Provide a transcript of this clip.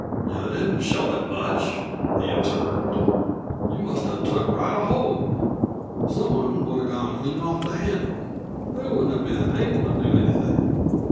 "You didn't show it much," he observed. "You must have took right a hold. Some women would have gone clean off the handle. They wouldn't have been able to do anything."